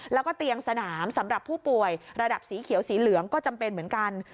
แล้วก็เตียงสนามสำหรับผู้ป่วยระดับสีเขียวสีเหลืองก็จำเป็นเหมือนกัน